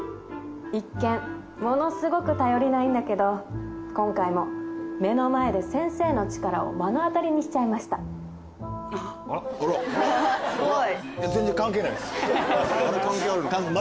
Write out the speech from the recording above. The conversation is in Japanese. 一見ものすごく頼りないんだけど今回も目の前で先生の力を目の当たりにしちゃいましたあれ関係あるのかな？